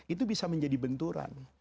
itu bisa menjadi benturan